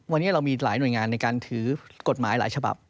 วันนี้เรามีหลายหน่วยงานในการถือกฎหมายหลายฉบับ